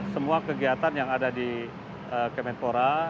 semua kegiatan yang ada di kemenpora